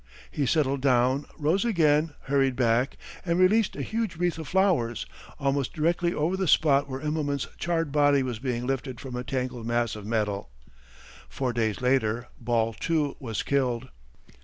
He settled down, rose again, hurried back, and released a huge wreath of flowers, almost directly over the spot where Immelman's charred body was being lifted from a tangled mass of metal. Four days later Ball too was killed.